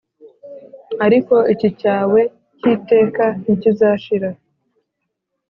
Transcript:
ariko icyi cyawe cy'iteka ntikizashira